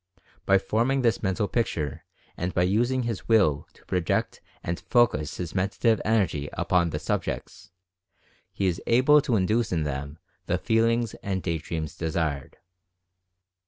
By forming this Mental Picture and by using his Will to project and focus his Mentative Energy upon the subjects he is able to induce in them the feelings and day dreams desired.